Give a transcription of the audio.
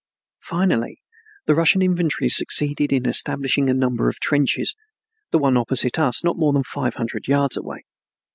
Finally the Russian infantry succeeded in establishing a number of trenches, the one opposite us not more than five hundred yards away.